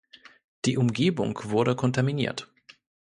Die Umgebung wurde kontaminiert.